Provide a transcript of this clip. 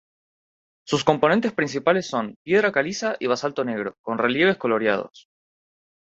Sus componentes principales son piedra caliza y basalto negro, con relieves coloreados.